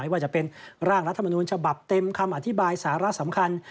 ว่าจะเป็นร่างรัฐมนูญฉบับเต็มคำอธิบายสาระสำคัญ